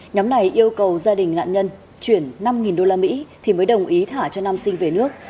nhóm này yêu cầu gia đình nạn nhân chuyển năm usd thì mới đồng ý thả cho nam sinh về nước